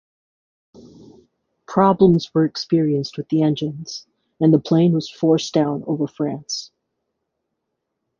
Problems were experienced with the engines, and the plane was forced down over France.